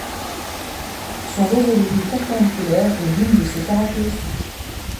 Son réseau de rues perpendiculaires est l'une de ses caractéristiques.